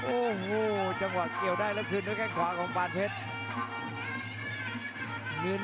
โอ้โหจังหวัดเกี่ยวได้แล้วคือเนื้อแค่ขวาของปานเพชร